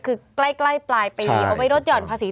คือใกล้ปลายปีเขาไปรถหย่อนภาษี